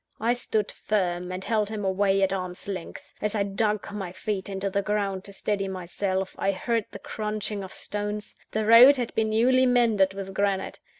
I stood firm, and held him away at arm's length. As I dug my feet into the ground to steady myself, I heard the crunching of stones the road had been newly mended with granite.